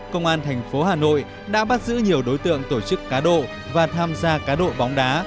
công an thành phố hà nội đã bắt giữ nhiều đối tượng tổ chức cá độ và tham gia cá độ bóng đá